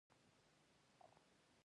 د معلوماتو تحلیل د شرکتونو لپاره مهم دی.